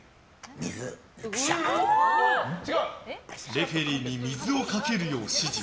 レフェリーに水をかけるように指示。